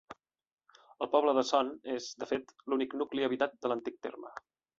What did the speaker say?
El poble de Son és, de fet, l'únic nucli habitat de l'antic terme.